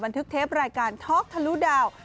ทึกเทปรายการท็อกทะลุดาว